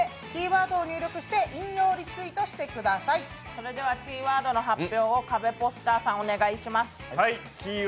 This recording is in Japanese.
それではキーワードの発表をカベポスターのお二人、お願いします。